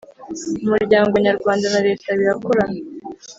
umuryango nyarwanda na Leta birakorana